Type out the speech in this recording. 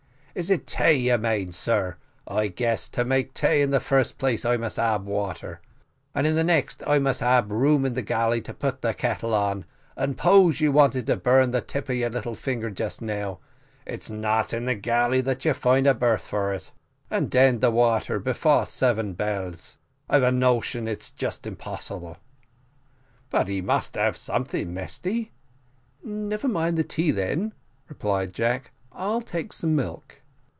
"Is it tay you mane, sir? I guess, to make tay, in the first place I must ab water, and in the next must ab room in the galley to put the kettle on and 'pose you wanted to burn the tip of your little finger just now, it's not in the galley that you find a berth for it and den the water before seven bells. I've a notion it's just impassible." "But he must have something, Mesty." "Never mind the tea, then," replied Jack, "I'll take some milk."